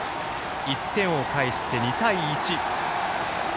１点を返して、２対１。